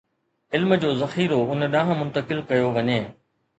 علم جو ذخيرو ان ڏانهن منتقل ڪيو وڃي